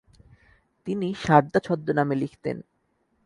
তিনি সারদা ছদ্মনামে লিখতেন।